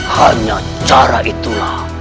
hanya cara itulah